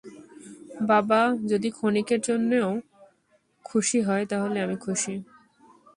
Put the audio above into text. বাবা যদি ক্ষনিকের জন্যেও খুশি হয় তাহলে আমি খুশি।